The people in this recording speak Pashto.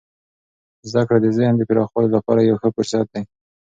زده کړه د ذهن د پراخوالي لپاره یو ښه فرصت دی.